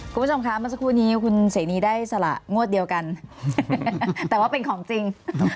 คุณผู้ชมคะเมื่อสักครู่นี้คุณเสนีได้สละงวดเดียวกันแต่ว่าเป็นของจริง